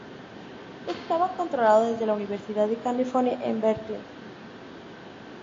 Estaba controlado desde la Universidad de California en Berkeley.